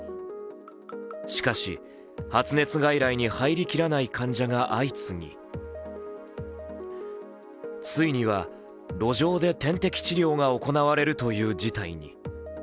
しかし発熱外来に入りきらない患者が相次ぎついには路上で点滴治療が行われるという事態に。